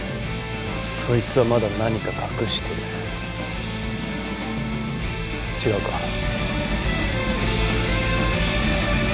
そいつはまだ何か隠してる違うか？